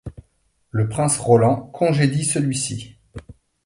Le prince Roland congédie celui-ci.